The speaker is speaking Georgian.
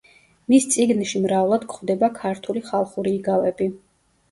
მის წიგნში მრავლად გვხვდება ქართული ხალხური იგავები.